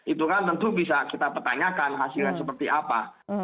itu kan tentu bisa kita pertanyakan hasilnya seperti apa